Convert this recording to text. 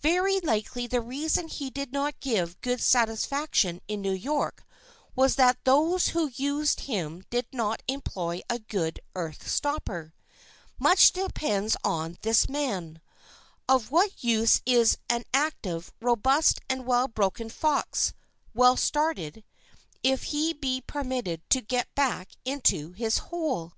Very likely the reason he did not give good satisfaction in New York was that those who used him did not employ a good earth stopper. Much depends on this man. Of what use is an active, robust and well broken fox, well started, if he be permitted to get back into his hole?